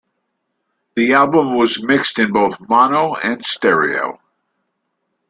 The album was mixed in both mono and stereo.